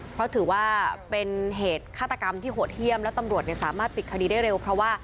เพราะถือว่าเป็นเหตุฆาตกรรมที่โหดเยี่ยมและตำรวจสามารถปิดคดีได้เร็วเพราะว่า